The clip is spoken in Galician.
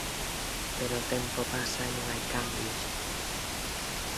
Pero o tempo pasa e non hai cambios.